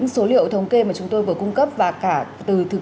cho những người phụ nữ